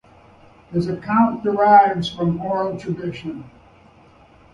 His account derives from oral tradition.